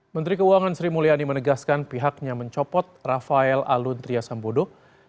menteri keuangan sri mulyani menegaskan pihaknya mencopot rafael alun tria sambodo